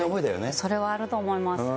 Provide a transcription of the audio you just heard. それはあると思います。